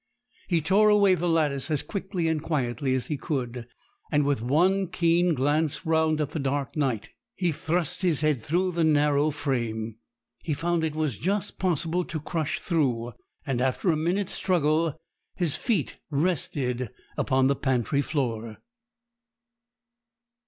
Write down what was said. He tore away the lattice as quickly and quietly as he could, and, with one keen glance round at the dark night, he thrust his head through the narrow frame. He found it was just possible to crush through; and, after a minute's struggle, his feet rested upon the pantry floor.